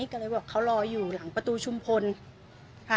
ก็เลยบอกเขารออยู่หลังประตูชุมพลค่ะ